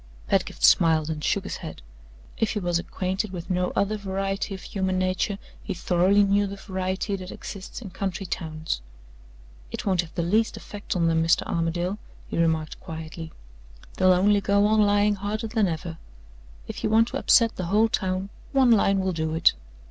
Pedgift smiled and shook his head. If he was acquainted with no other variety of human nature, he thoroughly knew the variety that exists in country towns. "It won't have the least effect on them, Mr. Armadale," he remarked quietly. "They'll only go on lying harder than ever. If you want to upset the whole town, one line will do it.